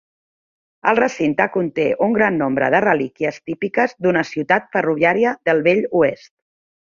El recinte conté un gran nombre de relíquies típiques d'una ciutat ferroviària del vell oest.